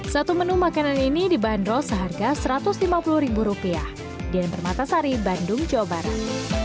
satu menu makanan ini dibanderol seharga rp satu ratus lima puluh di hermata sari bandung jawa barat